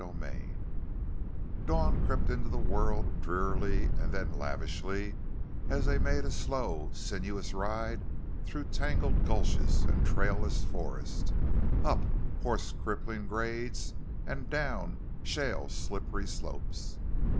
XIII Dawn crept into the world drearily and then lavishly as they made a slow and sinuous ride through tangled gulches and trailless forest, up horse crippling grades and down shale slippery slopes.